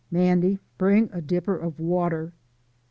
"Mandy, bring a dipper of water."